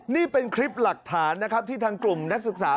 นี่เป็นคลิปหลักฐานนะครับที่ทางกลุ่มนักศึกษา